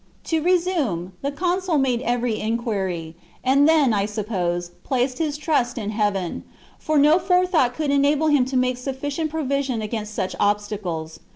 To resume, the consul made every enquiry, and then, I suppose, placed his trust in heaven, for no forethought could enable him to make sufficient provision against such obstacles.